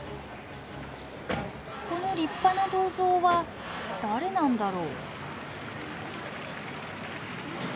この立派な銅像は誰なんだろう？